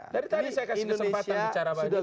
dari tadi saya kasih kesempatan bicara banyak